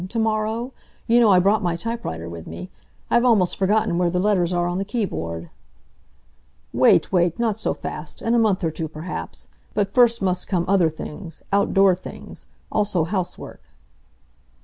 To morrow? You know I brought my typewriter with me. I've almost forgotten where the letters are on the keyboard." "Wait, wait; not so fast! In a month or two, perhaps. But first must come other things outdoor things. Also housework."